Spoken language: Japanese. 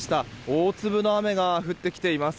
大粒の雨が降ってきています。